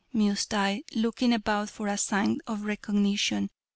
mused I, looking about for a sign of recognition.